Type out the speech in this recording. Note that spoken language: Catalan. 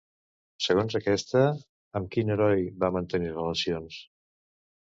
Segons aquesta, amb quin heroi va mantenir relacions?